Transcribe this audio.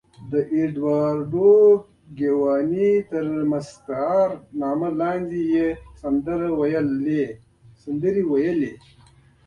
د اېډوارډو ګیواني تر مستعار نامه لاندې یې سندرې ویلې.